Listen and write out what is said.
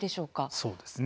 そうですね。